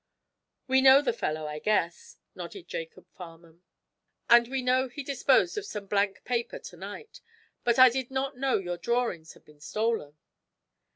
"We know the fellow, I guess," nodded Jacob Farnum, "and we know he disposed of some blank paper to night. But I did not know your drawings had been stolen."